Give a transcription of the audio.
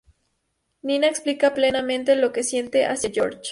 Nina explica plenamente lo que siente hacia George.